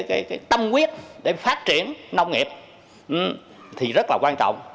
nếu đất chúng ta có tâm quyết để phát triển nông nghiệp thì rất là quan trọng